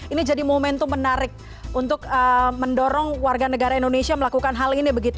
ini jadi momentum menarik untuk mendorong warga negara indonesia melakukan hal ini